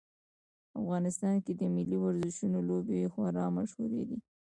افغانستان کې د ملي ورزشونو لوبې خورا مشهورې دي